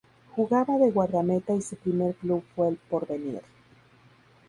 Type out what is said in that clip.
Jugaba de guardameta y su primer club fue El Porvenir.